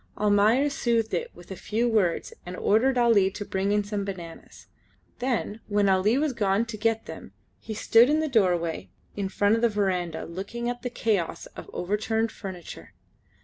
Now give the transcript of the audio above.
Almayer soothed it with a few words and ordered Ali to bring in some bananas, then while Ali was gone to get them he stood in the doorway of the front verandah looking at the chaos of overturned furniture.